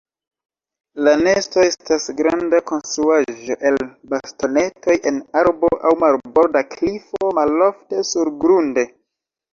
La nesto estas granda konstruaĵo el bastonetoj en arbo aŭ marborda klifo; malofte surgrunde.